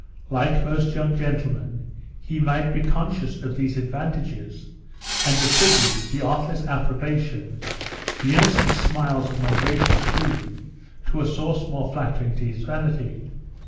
Like most young gentlemen, he might be conscious of these advantages, and attribute the artless approbation, the innocent smiles of my gracious queen, to a source more flattering to his vanity.